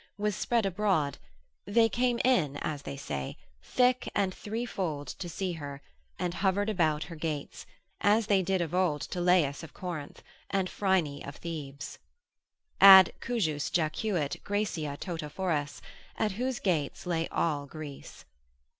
was spread abroad, they came in (as they say) thick and threefold to see her, and hovered about her gates, as they did of old to Lais of Corinth, and Phryne of Thebes, Ad cujus jacuit Graecia tota fores, at whose gates lay all Greece.